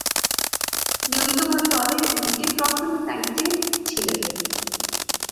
নিয়মিতভাবে দলের উইকেট-রক্ষণের দায়িত্বে ছিলেন।